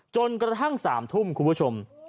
จนกระทั่ง๓ทุ่มคุณผู้ชม